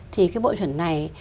thì cái bộ chuẩn này